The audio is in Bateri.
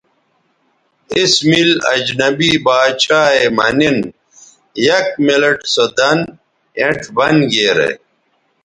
اس مِل اجنبی باڇھا یے مہ نِن یک منٹ سو دَن اینڇ بند گیرے